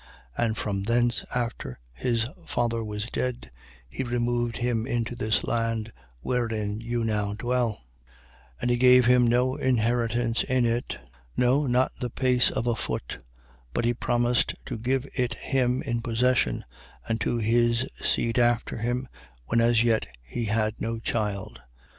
And from thence, after his father was dead, he removed him into this land, wherein you now dwell. 7:5. And he gave him no inheritance in it: no, not the pace of a foot. But he promised to give it him in possession, and to his seed after him, when as yet he had no child.